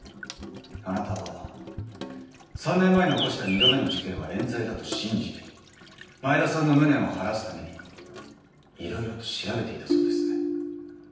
あなたは３年前に起こした２度目の事件は冤罪だと信じ前田さんの無念を晴らすためにいろいろと調べていたそうですね？